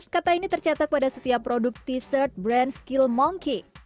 kata ini tercetak pada setiap produk t shirt brand skill monkey